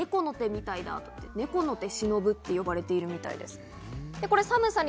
猫の手みたいだとして、猫の手シノブって呼ばれてるみたいです。